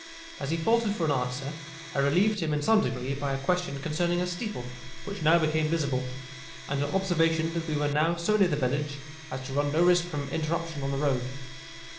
As he faltered for an answer, I relieved him in some degree by a question concerning a steeple, which now became visible, and an observation that we were now so near the village as to run no risk from interruption on the road.